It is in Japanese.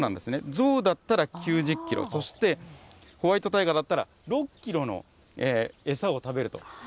ゾウだったら９０キロ、そしてホワイトタイガーだったら６キロの餌を食べると。